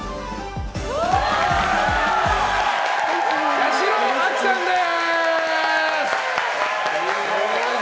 八代亜紀さんです。